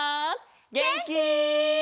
げんき？